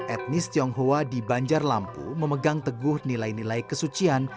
etnis tionghoa di banjar lampu memegang teguh nilai nilai kesucian